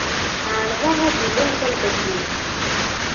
Ɛerḍeɣ ad iliɣ d amdakel-im.